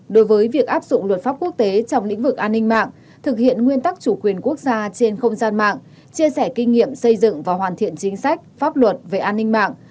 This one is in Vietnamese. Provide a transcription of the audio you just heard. đối với việc áp dụng luật pháp quốc tế trong lĩnh vực an ninh mạng thực hiện nguyên tắc chủ quyền quốc gia trên không gian mạng chia sẻ kinh nghiệm xây dựng và hoàn thiện chính sách pháp luật về an ninh mạng